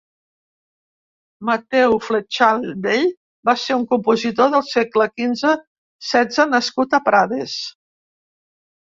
Mateu Fletxal Vell va ser un compositor del segle quinze-setze nascut a Prades.